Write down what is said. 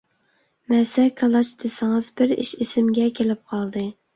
مەسە-كالاچ دېسىڭىز بىر ئىش ئېسىمگە كېلىپ قالدى.